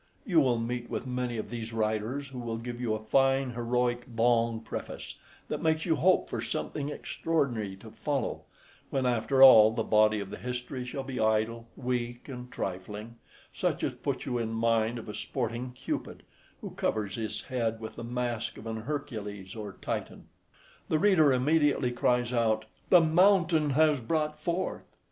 You will meet with many of these writers, who will give you a fine heroic long preface, that makes you hope for something extraordinary to follow, when after all, the body of the history shall be idle, weak, and trifling, such as puts you in mind of a sporting Cupid, who covers his head with the mask of a Hercules or Titan. The reader immediately cries out, "The mountain has brought forth!"